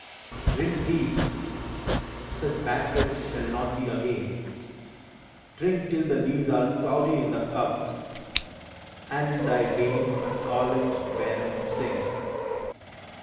Drink deep : such banquet shall not be again. Drink till the lees are cloudy in the cup, And in thy veins a scarlet venom sings!